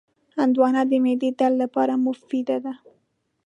هندوانه د معدې درد لپاره مفیده ده.